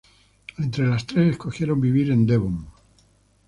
Entre las tres escogieron vivir en Devon.